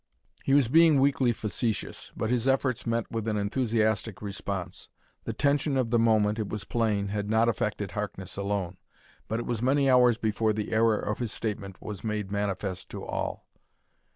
He was being weakly facetious, but his efforts met with an enthusiastic response. The tension of the moment, it was plain, had not affected Harkness alone. But it was many hours before the error of his statement was made manifest to all.